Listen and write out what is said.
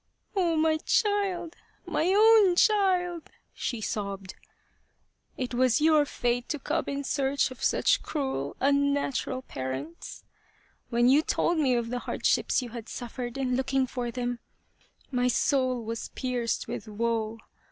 " Oh, my child, my own child !" she sobbed. " It was your fate to come in search of such cruel, un natural parents. When you told me of the hardships you had suffered in looking for them, my soul was pierced with woe.